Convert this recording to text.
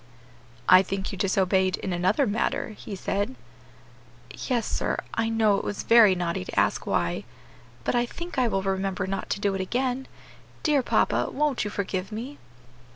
"I think you disobeyed in another matter," he said. "Yes, sir, I know it was very naughty to ask why, but I think I will remember not to do it again. Dear papa, won't you forgive me?"